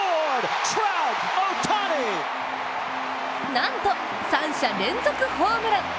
なんと三者連続ホームラン。